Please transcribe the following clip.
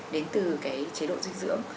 đến từ cái chế độ dinh dưỡng